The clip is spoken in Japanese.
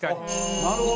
なるほど。